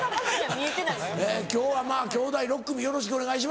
今日はまぁきょうだい６組よろしくお願いします。